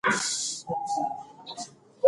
تباه نه کړی یارانو